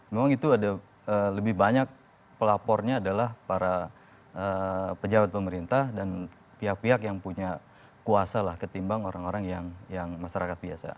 memang itu ada lebih banyak pelapornya adalah para pejabat pemerintah dan pihak pihak yang punya kuasa lah ketimbang orang orang yang masyarakat biasa